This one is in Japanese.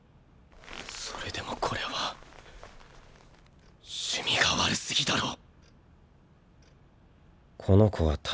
それでもこれは趣味が悪すぎだろ。